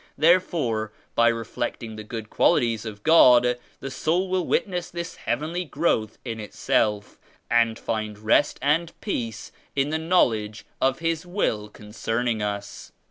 Therefore by 'reflecting the good qualities of God the soul .will witness this heavenly growth in itself and ifind rest and peace in the Knowledge of His Will concerning us.